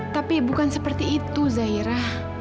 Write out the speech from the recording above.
tapi bukan seperti itu zaira